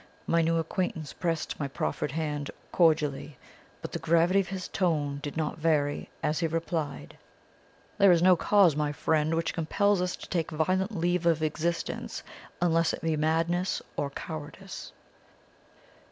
My new acquaintance pressed my proffered hand cordially, but the gravity of his tone did not vary as he replied: "'There is no cause, my friend, which compels us to take violent leave of existence, unless it be madness or cowardice.'